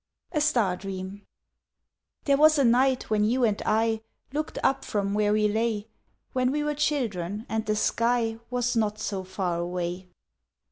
1881. A STAR DREAM There was a night when you and I Looked up from where we lay, When we were children, and the sky Was not so far away.